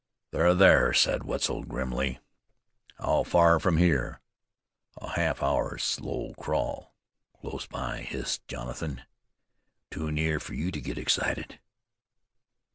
"They're thar," said Wetzel grimly. "How far from here?" "A half hour's slow crawl." "Close by?" hissed Jonathan. "Too near fer you to get excited."